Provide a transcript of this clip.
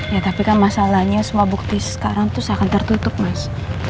ya tapi kan masalahnya semua bukti sekarang itu seakan tertutup mas